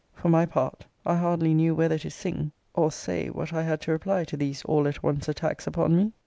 For my part, I hardly knew whether to sing or say what I had to reply to these all at once attacks upon me!